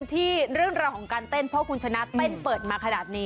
ที่เรื่องราวของการเต้นเพราะคุณชนะเต้นเปิดมาขนาดนี้